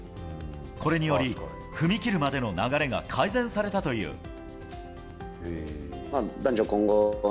これにより踏み切るまでの流れが改善されたという。